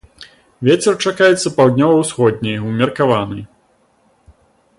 Вецер чакаецца паўднёва-ўсходні ўмеркаваны.